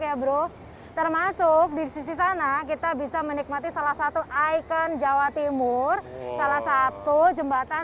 ya bro termasuk di sisi sana kita bisa menikmati salah satu ikon jawa timur salah satu jembatan